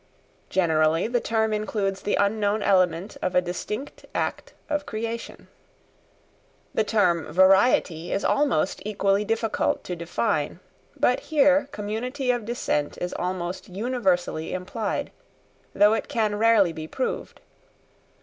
Generally the term includes the unknown element of a distinct act of creation. The term "variety" is almost equally difficult to define; but here community of descent is almost universally implied, though it can rarely be proved.